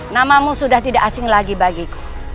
namamu sudah tidak asing lagi bagiku